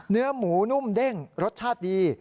เนื้อหมูนุ่มเด้งรสชาติดี